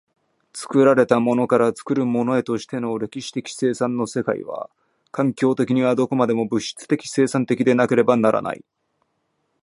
作られたものから作るものへとしての歴史的生産の世界は、環境的にはどこまでも物質的生産的でなければならない。